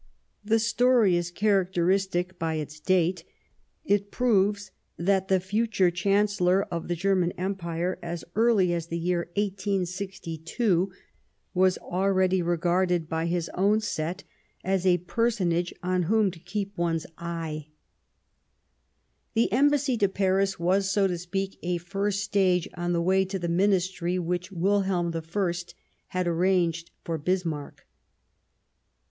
" The story is characteristic by its date ; it proves that the future Chancellor of the German Empire, as early as the year 1862, was already regarded by his own set as a personage on whom to keep one's eye. 53 Bismarck The Embassy to Paris was, so to speak, a first stage on the way to the Ministry which Wilhelm I had arranged for Bismarck.